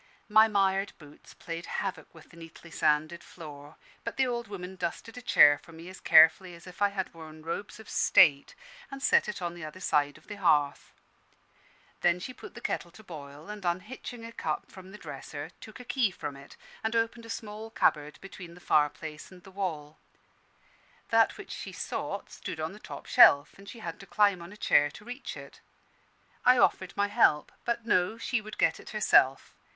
My mired boots played havoc with the neatly sanded floor; but the old woman dusted a chair for me as carefully as if I had worn robes of state, and set it on the other side of the hearth. Then she put the kettle to boil, and unhitching a cup from the dresser, took a key from it, and opened a small cupboard between the fireplace and the wall. That which she sought stood on the top shelf and she had to climb on a chair to reach it. I offered my help: but no she would get it herself.